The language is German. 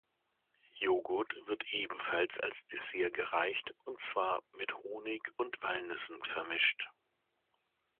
Joghurt wird ebenfalls als Dessert gereicht und zwar mit Honig und Walnüssen vermischt.